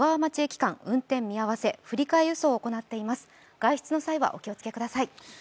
外出の際はお気をつけください。